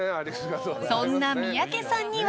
そんな三宅さんには。